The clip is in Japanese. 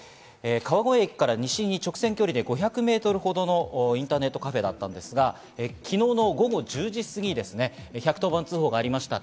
川越駅から西に直線距離で５００メートルほどのインターネットカフェだったんですが、昨日の午後１０時過ぎですね、１１０番通報がありました。